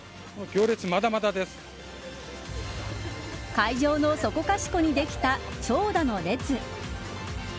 会場のそこかしこにできた長蛇の列。